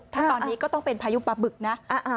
ถ้าตอนนี้ก็ต้องเป็นพายุปลาบึกนะ